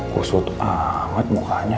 kusut banget mukanya